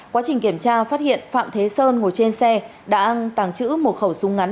quá trình kiểm tra phát hiện phạm thế sơn ngồi trên xe đã tàng trữ một khẩu súng ngắn